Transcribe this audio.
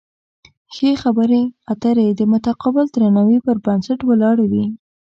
ښې خبرې اترې د متقابل درناوي پر بنسټ ولاړې وي.